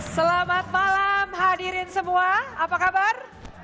selamat malam hadirin semua apa kabar